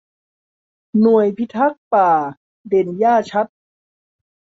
หน่วยพิทักษ์ป่าเด่นหญ้าขัด